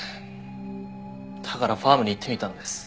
だからファームに行ってみたんです。